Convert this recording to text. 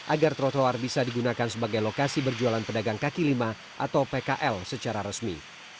agar trotoar bisa digunakan sebagai lokasi berjualan pedagang kaki lima atau pkl secara resmi